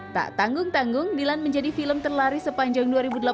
tak tanggung tanggung dilan menjadi film terlari sepanjang dua ribu delapan belas